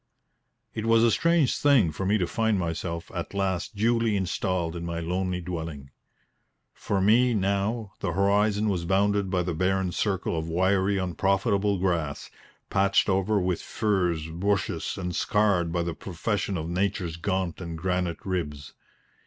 It was a strange thing for me to find myself at last duly installed in my lonely dwelling. For me, now, the horizon was bounded by the barren circle of wiry, unprofitable grass, patched over with furze bushes and scarred by the profusion of Nature's gaunt and granite ribs.